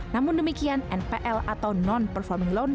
namun demikian npl atau non performing loan